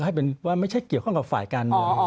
ให้เป็นว่าไม่ใช่เกี่ยวข้องกับฝ่ายการเมือง